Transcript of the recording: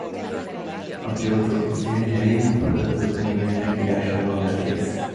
Apja utóbbi filmjei forgatókönyveinek írásában vett részt.